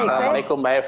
assalamualaikum mbak eva